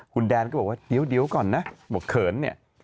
คุณแดนก็บอกว่าเดี๋ยวก่อนนะบอกเขินเนี่ย